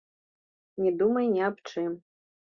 Не думай ні аб чым.